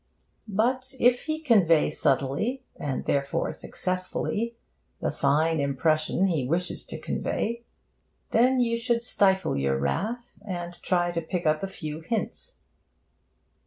But, if he convey subtly (and, therefore, successfully) the fine impression he wishes to convey, then you should stifle your wrath, and try to pick up a few hints.